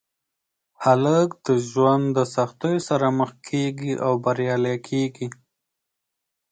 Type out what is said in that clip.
هلک د ژوند د سختیو سره مخ کېږي او بریالی کېږي.